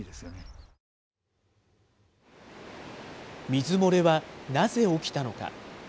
水漏れはなぜ起きたのか。